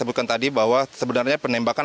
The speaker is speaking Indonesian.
sebutkan tadi bahwa sebenarnya penembakan